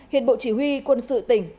hiện bộ chỉ huy quân sự tỉnh